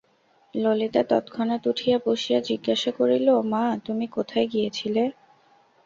ললিতা তৎক্ষণাৎ উঠিয়া বসিয়া জিজ্ঞাসা করিল, মা, তুমি কোথায় গিয়েছিলে?